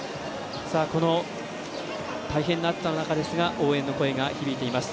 この大変な暑さの中ですが応援の声が響いています。